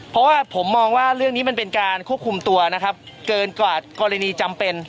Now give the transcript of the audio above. เพราะผมมองเรื่องนี้เป็นการควบคุมตัวเกินกว่ากรณีจำเป้น